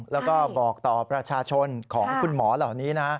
แล้วก็บอกต่อประชาชนของคุณหมอเหล่านี้นะ